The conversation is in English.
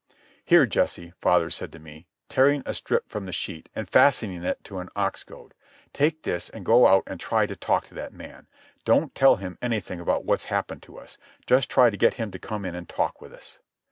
"Here, Jesse," father said to me, tearing a strip from the sheet and fastening it to an ox goad. "Take this and go out and try to talk to that man. Don't tell him anything about what's happened to us. Just try to get him to come in and talk with us."